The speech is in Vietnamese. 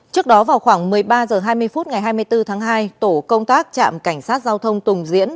trước đó vào khoảng một mươi ba h hai mươi phút ngày hai mươi bốn tháng hai tổ công tác trạm cảnh sát giao thông tùng diễn